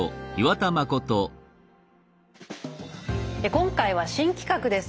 今回は新企画です。